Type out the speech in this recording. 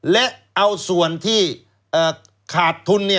และเอาส่วนที่ขาดทุน